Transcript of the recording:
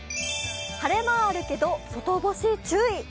晴れ間あるけど外干し注意。